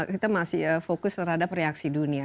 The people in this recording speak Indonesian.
kita masih fokus terhadap reaksi dunia